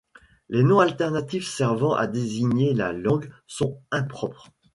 Les noms alternatifs servant à désigner la langue sont impropres.